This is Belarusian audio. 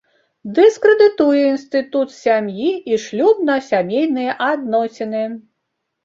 Дыскрэдытуе інстытут сям'і і шлюбна-сямейныя адносіны.